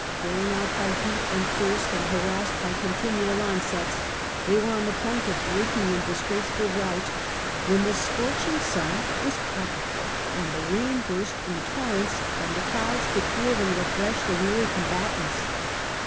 Worn out by heat and thirst, and harassed by continual onsets, they were on the point of breaking in disgrace ful rout when the scorching sun was covered, and the rain burst in torrents from the clouds to cool and refresh the weary combatants.